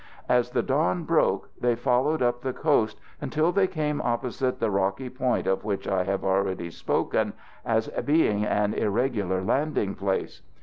As the dawn broke they followed up the coast until they came opposite that rocky point of which I have already spoken as being an irregular landing place.